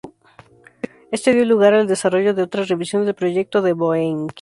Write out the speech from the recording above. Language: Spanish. Esto dio lugar al desarrollo de otra revisión del proyecto de Boeing.